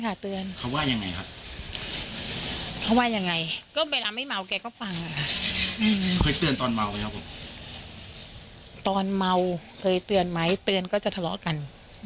ตอนเมาไหมครับผมตอนเมาเคยเตือนไหมเตือนก็จะทะเลาะกัน